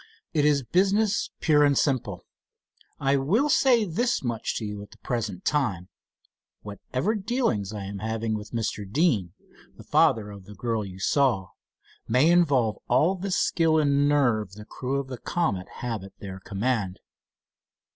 "It is business, pure and simple. I will say this much to you at the present time: whatever dealings I am having with Mr. Deane, the father of the girl you saw, may involve all the skill and nerve the crew of the Comet have at their command."